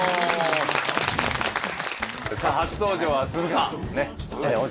さあ初登場は鈴鹿央士